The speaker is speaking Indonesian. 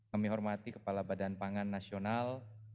kami hormati kepala badan pangan nasional